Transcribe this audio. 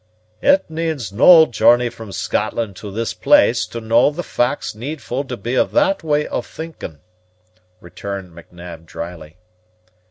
"It needs no journey from Scotland to this place to know the facts needful to be o' that way of thinking." returned M'Nab drily.